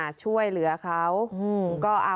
ช่วยเหลือเขาก็